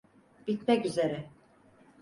Bitmek üzere.